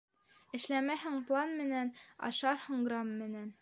Эшләмәһәң план менән, ашарһың грамм менән.